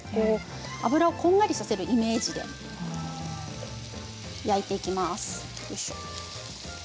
油をこんがりさせるイメージで焼いていきます。